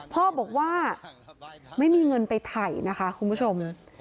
พ่อบอกว่าไม่มีเงินไปถ่ายนะคะคุณผู้ชม